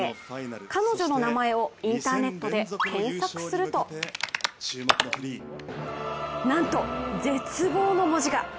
彼女の名前をインターネットで検索するとなんと、絶望の文字が。